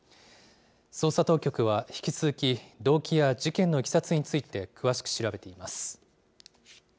捜査当局は引き続き、動機や事件のいきさつについて、詳しく調べています。